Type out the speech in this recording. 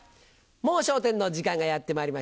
『もう笑点』の時間がやってまいりました。